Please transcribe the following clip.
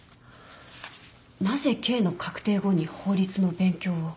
なぜ刑の確定後に法律の勉強を。